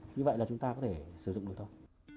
như vậy là chúng ta có thể sử dụng được thôi